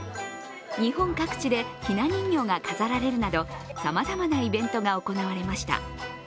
日本各地でひな人形が飾られるなど、さまざまなイベントが行われました。